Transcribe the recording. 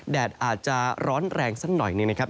แดดอาจจะร้อนแรงสักหน่อยหนึ่งนะครับ